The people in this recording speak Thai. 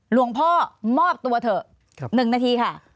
หลวงพ่อมอบตัวเถอะ๑นาทีค่ะ